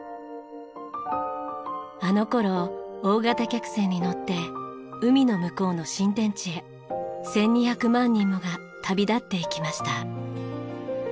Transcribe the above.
あの頃大型客船に乗って海の向こうの新天地へ１２００万人もが旅立っていきました。